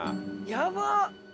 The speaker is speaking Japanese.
やばっ！